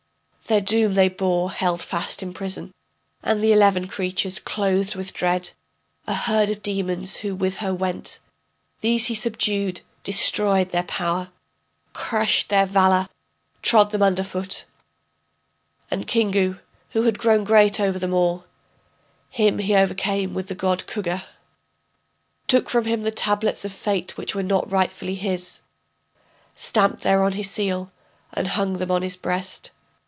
Their doom they bore, held fast in prison, And the eleven creatures, clothed with dread, A herd of demons who with her went, These he subdued, destroyed their power, Crushed their valor, trod them under foot; And Kingu, who had grown great over them all, Him he overcame with the god Kugga, Took from him the tablets of fate which were not rightfully his, Stamped thereon his seal, and hung them on his breast.